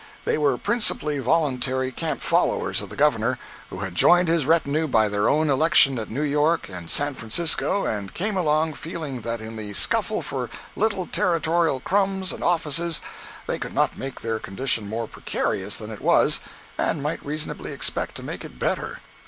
They were principally voluntary camp followers of the Governor, who had joined his retinue by their own election at New York and San Francisco and came along, feeling that in the scuffle for little territorial crumbs and offices they could not make their condition more precarious than it was, and might reasonably expect to make it better.